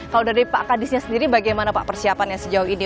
kalau dari pak kadisnya sendiri bagaimana pak persiapannya sejauh ini